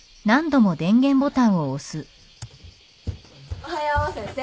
おはよう先生。